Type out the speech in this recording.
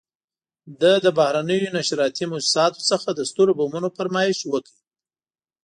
ده له بهرنیو نشراتي موسساتو څخه د سترو بمونو فرمایش وکړ.